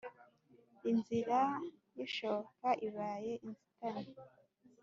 Inzira y'ishoka ibaye inzitane !